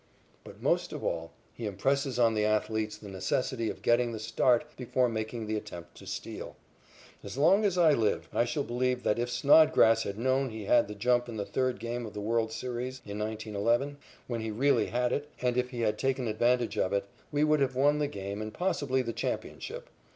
But most of all he impresses on the athletes the necessity of getting the start before making the attempt to steal. As long as I live I shall believe that if Snodgrass had known he had the jump in the third game of the world's series in 1911, when he really had it, and if he had taken advantage of it, we would have won the game and possibly the championship.